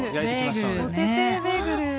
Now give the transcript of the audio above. お手製ベーグル。